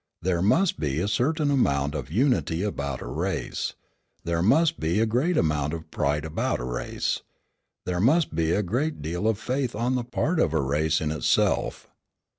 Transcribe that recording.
There must be a certain amount of unity about a race, there must be a great amount of pride about a race, there must be a great deal of faith on the part of a race in itself.